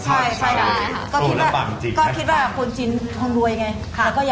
อ๋ออันนี้แม่คิดเองเลย